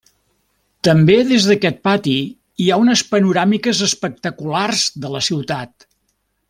També des d'aquest pati hi ha unes panoràmiques espectaculars de la ciutat.